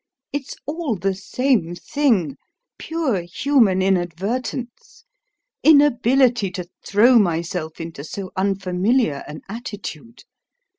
It's all the same thing pure human inadvertence; inability to throw myself into so unfamiliar an attitude.